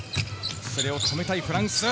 それを止めたいフランス。